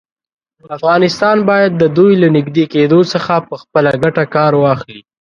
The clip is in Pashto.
افغانستان باید د دوی له نږدې کېدو څخه په خپله ګټه کار واخلي.